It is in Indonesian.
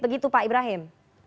begitu pak ibrahim